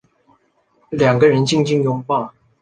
两人静静拥抱